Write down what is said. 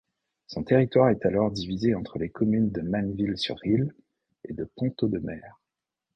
Son territoire est alors divisé entre les communes de Manneville-sur-Risle et de Pont-Audemer.